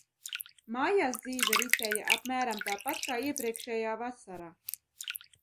Mājās dzīve ritēja apmēram tāpat kā iepriekšējā vasarā.